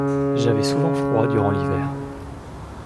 J’avais souvent froid durant l’hiver.